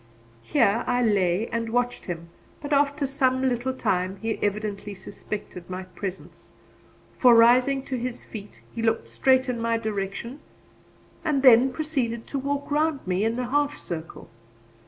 Here I lay and watched him; but after some little time he evidently suspected my presence, for rising to his feet, he looked straight in my direction and then proceeded to walk round me in a half circle.